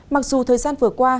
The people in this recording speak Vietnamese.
mặc dù thời gian vừa qua